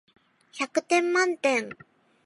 百点満点